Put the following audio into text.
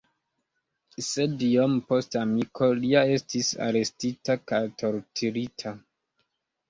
Sed iom poste amiko lia estis arestita kaj torturita.